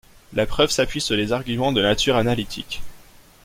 La preuve s'appuie sur des arguments de nature analytique.